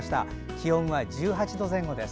気温は１８度前後です。